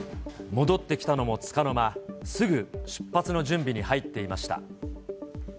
戻ってきたのもつかの間、すぐ出発の準備に入っていました。